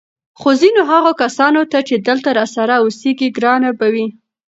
خو ځینو هغه کسانو ته چې دلته راسره اوسېږي ګرانه به وي